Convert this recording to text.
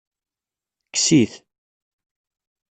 Kkes-it.